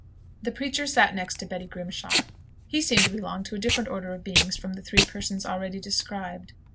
The preacher sat next to Betty Grimshaw. He seemed to belong to a different order of beings from the three persons already described.